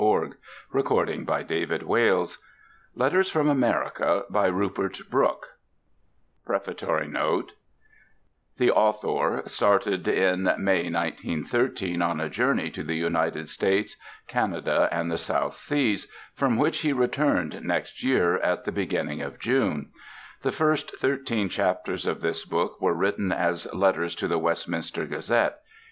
With a Preface by Henry James [Frontispiece: Rupert Brooke 1913] NOTE The author started in May 1913 on a journey to the United States, Canada, and the South Seas, from which he returned next year at the beginning of June. The first thirteen chapters of this book were written as letters to the Westminster Gazette.